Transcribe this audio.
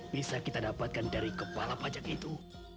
bisa kita dapatkan dari kepala pajak itu